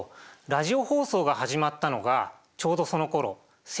ラジオ放送が始まったのがちょうどそのころ